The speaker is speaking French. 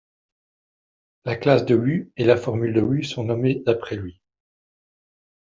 La classe de Wu et la formule de Wu sont nommés d'après lui.